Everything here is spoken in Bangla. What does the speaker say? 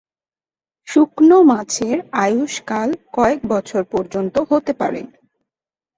শুকনো মাছের আয়ুষ্কাল কয়েক বছর পর্যন্ত হতে পারে।